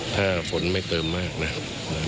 ถ้าฝนไม่เติมมากนะครับ